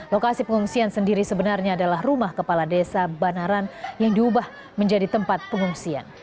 lokasi pengungsian sendiri sebenarnya adalah rumah kepala desa banaran yang diubah menjadi tempat pengungsian